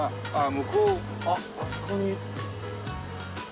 向こうあっあそこに。